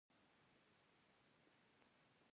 جوار څنګه ایښودل کیږي؟